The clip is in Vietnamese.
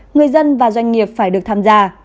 người dân và doanh nghiệp phải được tham gia